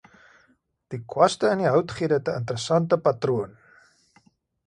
Die kwaste in die hout gee dit 'n interessante patroon.